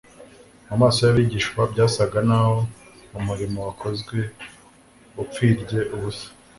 Mu maso y' abigishwa byasaga naho umurimo wakozwe upfirye ubusa.